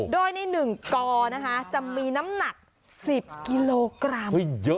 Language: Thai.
โดยใน๑กอนะคะจะมีน้ำหนัก๑๐กิโลกรัม